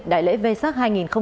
đại lễ v sac hai nghìn một mươi chín